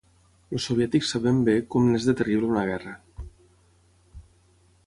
Els soviètics sabem bé com n'és de terrible una guerra.